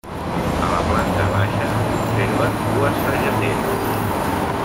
A la planta baixa s'observen dues sageteres.